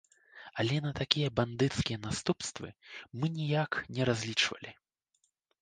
Але на такія бандыцкія наступствы мы ніяк не разлічвалі!